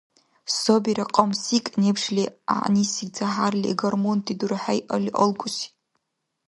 Сабира кьамсикӀ-небшли гӀягӀниси тяхӀярли гормонти дурахӀейалли алкӀуси.